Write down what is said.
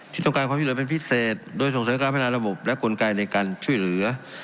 ที่ต้องการความช่วยเหลือเป็นพิเศษโดยส่งเสริมการพัฒนาระบบและกลไกในการช่วยเหลือ